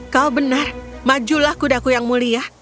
kau benar majulah kudaku yang mulia